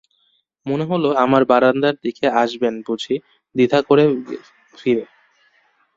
মনে হল আমার বারান্দার দিকে আসবেন বুঝি, দ্বিধা করে গেলেন ফিরে।